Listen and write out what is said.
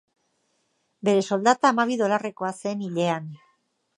Bere soldata hamabi dolarrekoa zen hilean.